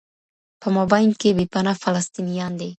په مابین کي بې پناه فلسطینیان دي